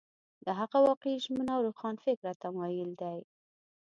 دا هغه واقعي ژمن او روښانفکره تمایل دی.